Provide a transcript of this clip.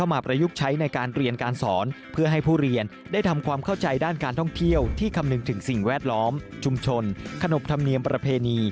หลักสูตรของเราเราเปิดให้เด็กเรียนตั้งแต่ตั้งกับปีหนึ่ง